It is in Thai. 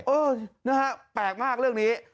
เออนี่ครับแปลกมากเรื่องนี้